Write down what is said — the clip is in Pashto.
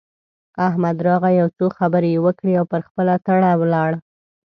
احمد راغی؛ يو څو خبرې يې وکړې او پر خپله تړه ولاړ.